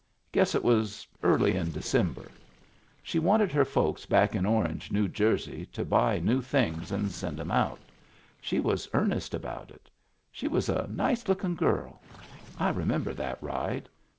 Guess it was eariy in December. She wanted her folks back in Orange, New Jersey, to buy new things and send *em out. She was earnest about it. She was a nice lookin* girL I remember that ride.